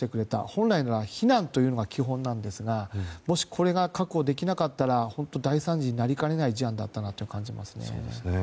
本来ならば避難というのが基本なんですがもし、これが確保できなかったら本当に大惨事になりかねない事案だったなと思います。